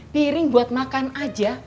piring buat makan aja